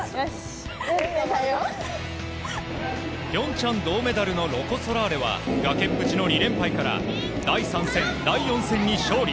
平昌銅メダルのロコ・ソラーレは崖っぷちの２連敗から第３戦、第４戦に勝利。